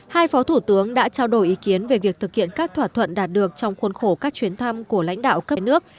hai phó thủ tướng đã trao đổi ý kiến về việc thực hiện các thỏa thuận đạt được trong khuôn khổ các chuyến thăm của lãnh đạo cấp nước